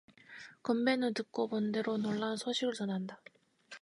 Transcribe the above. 건배는 듣고 본 대로 놀라운 소식을 전한다.